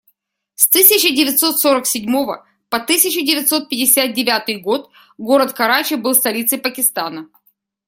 С тысяча девятьсот сорок седьмого по тысячу девятьсот пятьдесят девятый год город Карачи был столицей Пакистана.